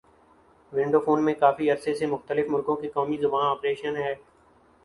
window phone میں کافی عرصے سے مختلف ملکوں کی قومی زبان آپشن ہے